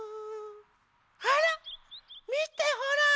あらみてほら！